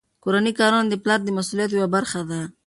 کورني کارونه د پلار د مسؤلیت یوه برخه ده.